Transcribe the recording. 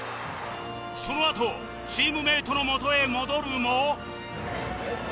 そのあとチームメイトの元へ戻るも